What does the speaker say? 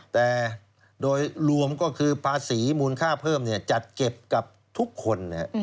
แต่โดยรวมก็คือภาษีมูลค่าเพิ่มจัดเก็บกับทุกคน